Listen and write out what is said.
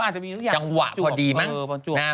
จังหวะพอดีวะ